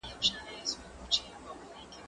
هغه وويل چي ږغ لوړ دی!؟